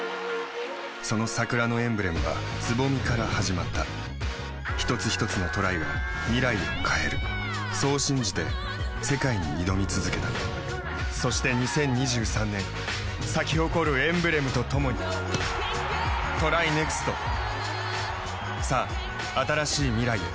その桜のエンブレムは蕾から始まった一つひとつのトライが未来を変えるそう信じて世界に挑み続けたそして２０２３年咲き誇るエンブレムとともにＴＲＹＮＥＸＴさあ、新しい未来へ。